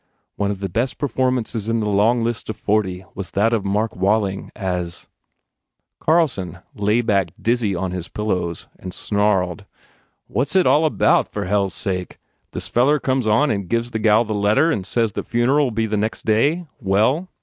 " One of the best performances in the long list of forty was that of Mark Walling as* " Carlson lay back dizzy on his pillows and snarled, "What s it all about, for hell s sake? This feller comes on and gives the gal the letter and says the funeral ll be next day. Well?"